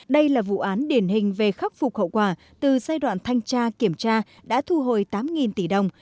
đây là vụ án điển hình về khắc phục hậu quả từ giai đoạn thanh tra kiểm tra đã thu hồi tám tỷ đồng